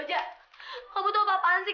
bajak kamu tuh apa apaan sih